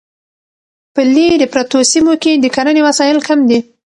په لیرې پرتو سیمو کې د کرنې وسایل کم دي.